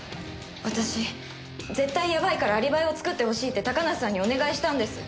私絶対やばいからアリバイを作ってほしいって高梨さんにお願いしたんです。